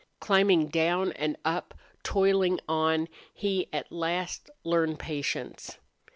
Climbing down and up, toiling on, he at last learned patience.